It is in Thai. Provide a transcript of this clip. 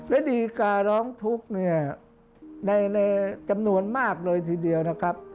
และดีการร้องทุกข์เนี่ยในจำนวนมากเลยทีเดียวนะครับ